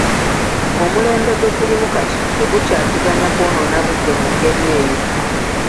Omulembe gwe tulimu kati tegukyatuganya kwonoona budde mu ngeri eyo.